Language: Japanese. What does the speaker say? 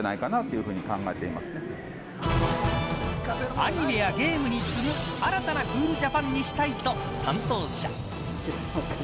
アニメやゲームに次ぐ新たなクールジャパンにしたいと担当者。